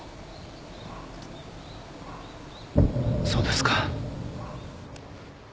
そうですか。